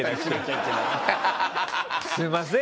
すいません。